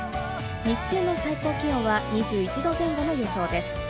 日中の最高気温は２１度前後の予想です。